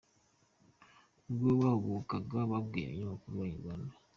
Ubwo bahagurukaga babwiye umunyamakuru wa Inyarwanda.